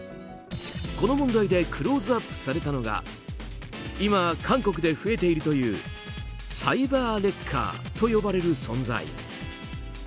この問題でクローズアップされたのが今、韓国で増えているというサイバーレッカーと呼ばれる存在。